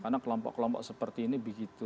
karena kelompok kelompok seperti ini begitu